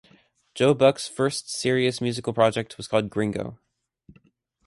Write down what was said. Joe Buck's first serious musical project was called Gringo.